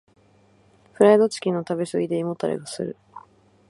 フライドチキンの食べ過ぎで胃もたれがする。